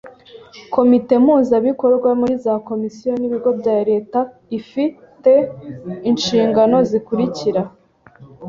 Komite mpuzabikorwa muri za komisiyo n’ibigo bya Leta ifi te inshingano zikurikira: